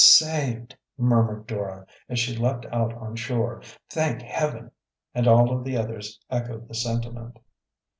"Saved!" murmured Dora, as she leaped out on shore. "Thank Heaven!" And all of the others echoed the sentiment.